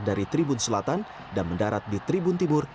dari tribun selatan dan mendarat di tribun timur